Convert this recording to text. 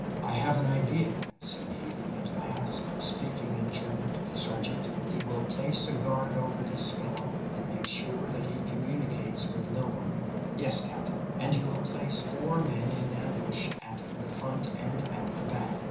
"I have an idea," said he, at last, speaking in German to the sergeant. "You will place a guard over this fellow, and make sure that he communicates with no one." "Yes, captain." "And you will place four men in ambush at the front and at the back.